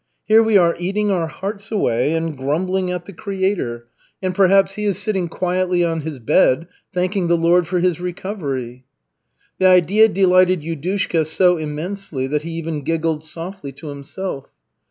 Here we are eating our hearts away and grumbling at the Creator, and perhaps he is sitting quietly on his bed thanking the Lord for his recovery." The idea delighted Yudushka so immensely that he even giggled softly to himself.